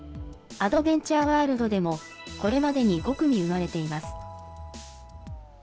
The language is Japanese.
アドベンチャーワールドでも、これまでに５組産まれています。